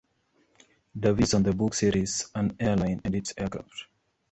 Davies on the book series "An Airline and its Aircraft".